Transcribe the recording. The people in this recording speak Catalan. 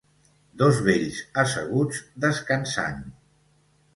Dos vells asseguts descansant.